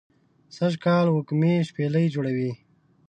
سږ کال وږمې شپیلۍ جوړوی